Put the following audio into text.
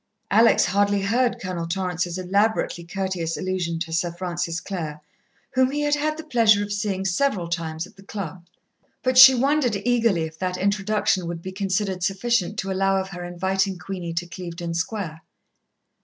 Alex hardly heard Colonel Torrance's elaborately courteous allusion to Sir Francis Clare, whom he had had the pleasure of seeing several times at the Club, but she wondered eagerly if that introduction would be considered sufficient to allow of her inviting Queenie to Clevedon Square.